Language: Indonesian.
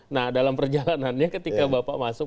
nah dalam perjalanannya ketika bapak masuk